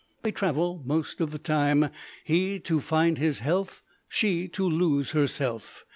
They travel most of the time, he to find his health, she to lose herself.